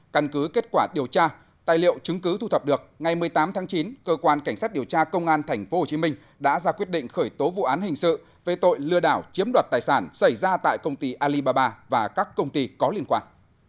căn cứ kết quả điều tra tài liệu chứng cứ thu thập được ngày một mươi tám tháng chín cơ quan cảnh sát điều tra công an tp hcm đã ra quyết định khởi tố vụ án hình sự về tội lừa đảo chiếm đoạt tài sản xảy ra tại công ty alibaba và các công ty có liên quan